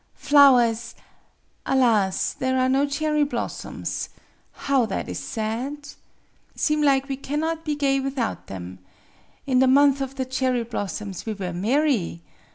Flowers alas! there are no cherry blossoms. How that is sad! Seem lig we cannot be gay without them. In the month of the cherry blossoms we were marry